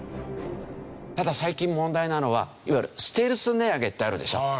ただ最近問題なのはいわゆるステルス値上げってあるでしょ。